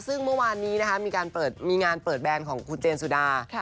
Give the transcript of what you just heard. ซึ่งเมื่อวานนี้มีงานเปิดแบลนของคุณเจนสุดา